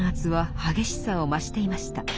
激しさを増していました。